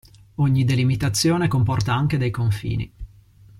Ogni delimitazione comporta anche dei confini.